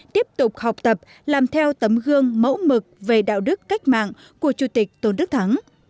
tiếp tục học tập làm theo tấm gương mẫu mực về đạo đức cách mạng của chủ tịch tôn đức thắng